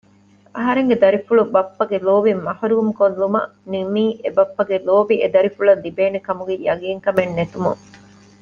އަހަރެންގެ ދަރިފުޅު ބައްޕަގެ ލޯބިން މަޙުރޫމްކޮށްލުމަށް ނިންމީ އެބައްޕަގެ ލޯބި އެ ދަރިފުޅަށް ލިބޭނެކަމުގެ ޔަޤީންކަމެއް ނެތުމުން